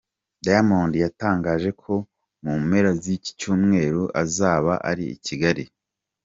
Diamond yatangaje ko mu mpera z'iki cyumweru azaba ari i Kigali.